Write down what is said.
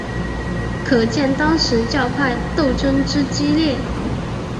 可见当时教派斗争之激烈。